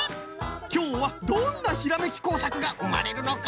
きょうはどんなひらめき工作がうまれるのか！？